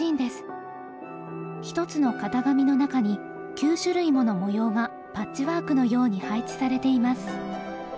一つの型紙の中に９種類もの模様がパッチワークのように配置されています。